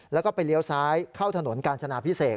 แล้วก็ไปเลี้ยวซ้ายเข้าถนนกาญจนาพิเศษ